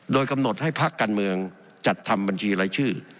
โดยกำหนดให้พักการเมืองจัดทำบัญชีรายชื่อ